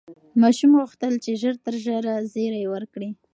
ماشوم غوښتل چې ژر تر ژره زېری ورکړي.